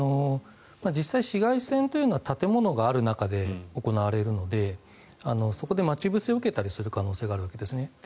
実際、市街戦は建物がある中で行われるのでそこで待ち伏せを受けたりする可能性があるわけですね。